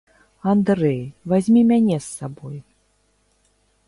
Андрэй, вазьмі мяне з сабой.